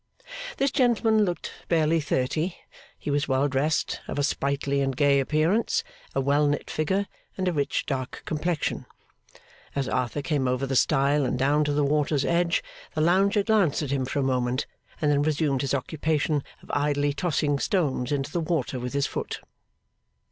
This gentleman looked barely thirty. He was well dressed, of a sprightly and gay appearance, a well knit figure, and a rich dark complexion. As Arthur came over the stile and down to the water's edge, the lounger glanced at him for a moment, and then resumed his occupation of idly tossing stones into the water with his foot.